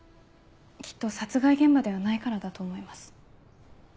きっと殺害現場ではないからだと思います。